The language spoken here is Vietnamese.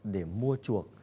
để mua chuộc